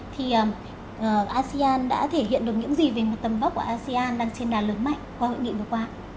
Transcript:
thì asean đã thể hiện được những gì về một tầm vóc của asean đang trên đà lớn mạnh qua hội nghị vừa qua